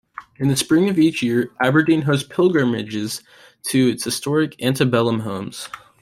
In the spring of each year, Aberdeen hosts pilgrimages to its historic antebellum homes.